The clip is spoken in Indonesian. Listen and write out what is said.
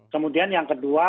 kemudian yang kedua